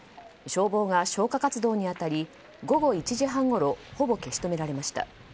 消防が消火活動に当たり午後１時半ごろほぼ消し止められました。